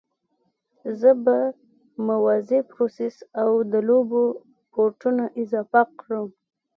زه به موازي پروسس او د لوبو پورټونه اضافه کړم